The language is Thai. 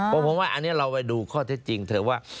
ผมว่าอันนี้เราไปดูข้อเท็จจริงเถอะว่า